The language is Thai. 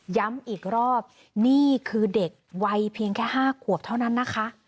ย้ำอีกรอบนี่คือเด็กวัยเพียงแค่๕ขวบเท่านั้นนะคะ